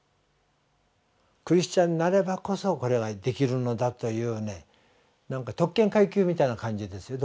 クリスチャンなればこそこれができるのだというねなんか特権階級みたいな感じですよ